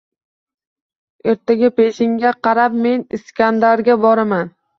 Ertaga peshinga qarab men Iskandarga boraman.